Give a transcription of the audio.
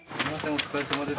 お疲れさまです。